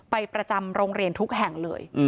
ประจำโรงเรียนทุกแห่งเลย